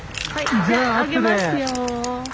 じゃあ上げますよ。